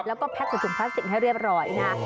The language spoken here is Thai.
แล้วก็แก๊กกับถุงพลาสติกให้เรียบร้อยนะ